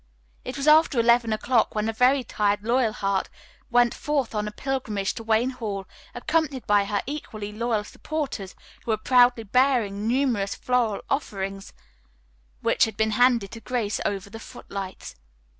It was after eleven o 'clock when a very tired Loyalheart went forth on a pilgrimage to Wayne Hall, accompanied by her equally loyal supporters, who were proudly bearing numerous floral offerings which had been handed to Grace over the footlights.